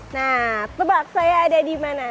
nah tebak saya ada dimana